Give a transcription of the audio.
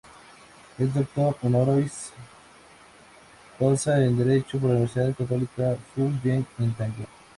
Es Doctor Honoris Causa en Derecho por la Universidad Católica Fu Jen en Taiwán.